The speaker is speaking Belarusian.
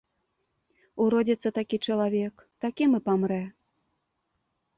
Уродзіцца такі чалавек, такім і памрэ.